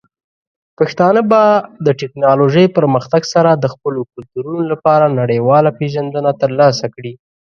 پښتانه به د ټیکنالوجۍ پرمختګ سره د خپلو کلتورونو لپاره نړیواله پیژندنه ترلاسه کړي.